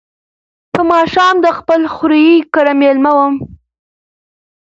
په ماښام د خپل خوریي کره مېلمه وم.